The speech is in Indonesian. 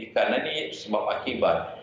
karena ini sebab akibat